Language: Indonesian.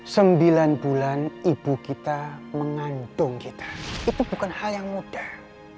sembilan bulan ibu kita mengandung kita itu bukan hal yang mudah